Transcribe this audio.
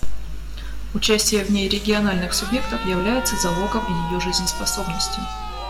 Участие в ней региональных субъектов является залогом ее жизнеспособности.